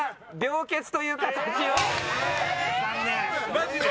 マジで？